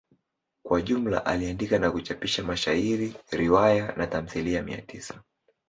Kwa jumla aliandika na kuchapisha mashairi, riwaya na tamthilia mia tisa.